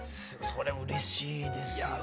それうれしいですよね？